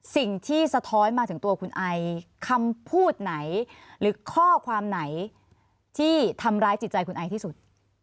สะท้อนมาถึงตัวคุณไอคำพูดไหนหรือข้อความไหนที่ทำร้ายจิตใจคุณไอที่สุด